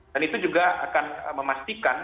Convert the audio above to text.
dan itu juga akan memastikan